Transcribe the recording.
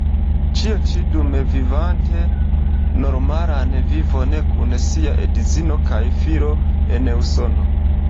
Ĉio ĉi dum vivante normalan vivon kun sia edzino kaj filo en Usono.